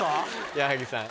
矢作さん。